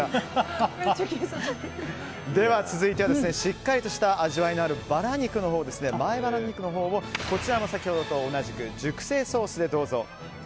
では続いてはしっかりとした味わいのある前バラ肉のほうを先ほどと同じく熟成ソースでどうぞ。